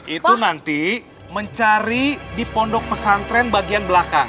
itu nanti mencari di pondok pesantren bagian belakang